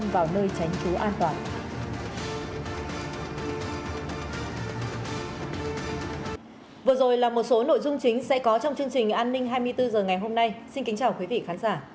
vừa rồi là một số nội dung chính sẽ có trong chương trình an ninh hai mươi bốn h ngày hôm nay xin kính chào quý vị khán giả